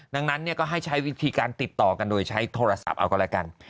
ดังนั้นก็ให้ใช้วิธีการติดต่อกันโดยใช้โทรศัพท์เอาก็แล้วกัน